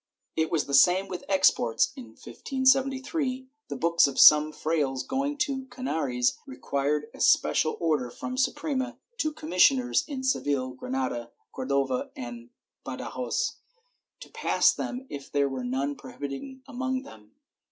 ^ It was the same with exports. In 1573 the books of some frailes going to the Canaries require a special order from the Suprema to commissioners in Seville, Granada, Cordova and Badajoz to pass them if there were none prohibited among them.